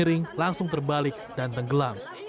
kering langsung terbalik dan tenggelam